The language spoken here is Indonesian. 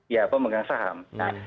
ya pemegang saham